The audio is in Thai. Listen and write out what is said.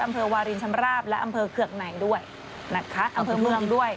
วารินชำราบและอำเภอเคือกไหนด้วยนะคะอำเภอเมืองด้วย